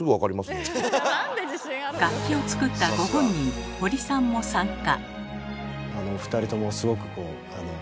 楽器を作ったご本人堀さんも参加。